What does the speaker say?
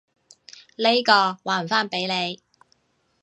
呢個，還返畀你！